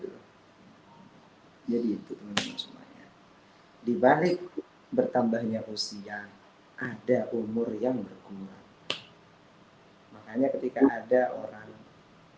hai yang apa namanya ulang tahun dan dirayain selama tuh langsung ya amba umurnya panjang umurnya